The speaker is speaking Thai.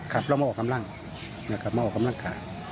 ขับเรามาออกกำลังเนี่ยกลับมาออกกำลังค่ะ